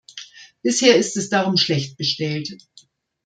Bisher ist es darum schlecht bestellt.